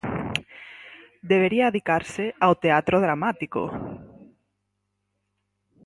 Debería adicarse ao teatro dramático.